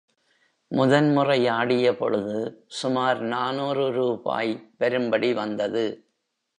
முதன் முறை ஆடியபொழுது சுமார் நாநூறு ரூபாய் வரும்படி வந்தது.